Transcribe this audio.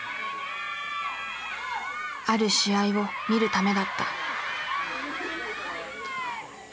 ある試合を見るためだった。